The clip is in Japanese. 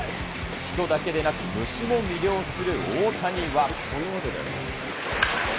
人だけでなく虫も魅了する大谷は。